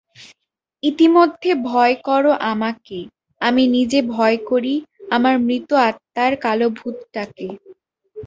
ইতিমধ্যে ভয় করো আমাকে, আমি নিজে ভয় করি আমার মৃত আত্মার কালো ভূতটাকে।